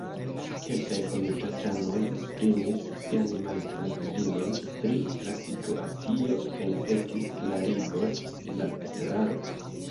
Kelkaj komitatanoj esprimis sian maltrankvilon pri la situacio kaj petis klarigon de la estraro.